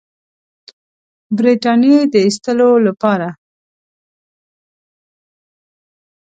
برټانیې د ایستلو لپاره.